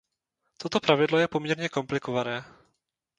Toto pravidlo je poměrně komplikované.